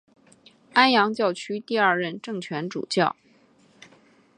安阳教区第二任正权主教。